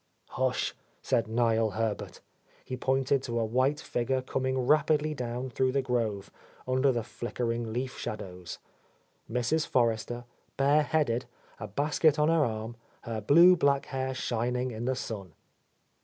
"Hush," said Niel Herbert. He pointed to a white figure coming rapidly down through the grove, under the flickering leaf shadows, — Mrs. Forrester, bareheaded, a basket on her arm, her blue black hair shining in the sun.